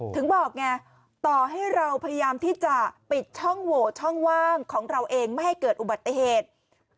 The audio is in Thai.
ถึงบอกไงต่อให้เราพยายามที่จะปิดช่องโหวช่องว่างของเราเองไม่ให้เกิดอุบัติเหตุ